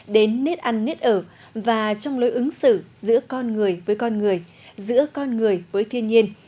đến nét ăn nết ở và trong lối ứng xử giữa con người với con người giữa con người với thiên nhiên